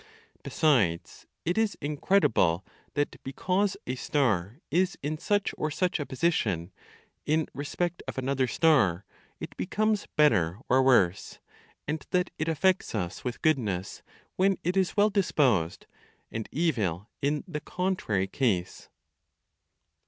Besides it is incredible that because a star is in such or such a position in respect of another star, it becomes better or worse, and that it affects us with goodness when it is well disposed, and evil in the contrary case.